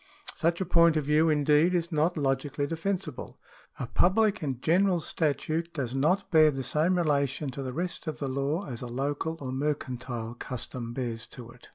Such a point of view, indeed, is not logically defensible. A public and general statute does not bear the same relation to the rest of the law as a local or mercantile custom bears to it.